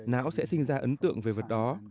não sẽ sinh ra ấn tượng về vật đó